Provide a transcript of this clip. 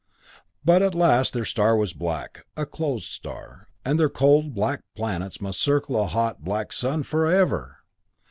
"But at last their star was black, a closed star, and their cold, black planets must circle a hot, black sun forever!